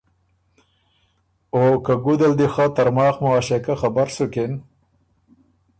او که ګُده ل دی خه ترماخ معاشقه خبر سُکِن،